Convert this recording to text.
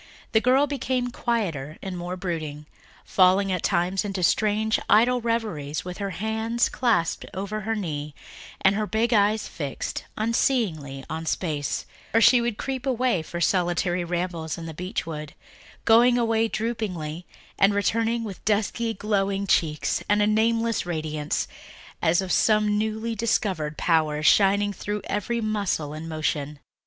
The girl became quieter and more brooding, falling at times into strange, idle reveries, with her hands clasped over her knee and her big eyes fixed unseeingly on space; or she would creep away for solitary rambles in the beech wood, going away droopingly and returning with dusky glowing cheeks and a nameless radiance, as of some newly discovered power, shining through every muscle and motion.